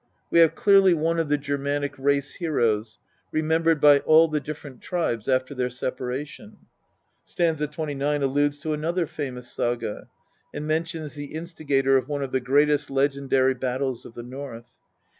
We have clearly one of the Germanic race heroes, remembered by all the different tribes after their separation. St. 29 alludes to another famous saga, and mentions the instigator of one of the greatest legendary battles of the North.